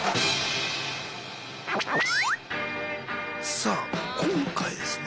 さあ今回ですね